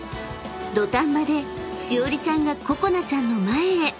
［土壇場でしおりちゃんがここなちゃんの前へ］